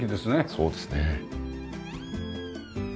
そうですね。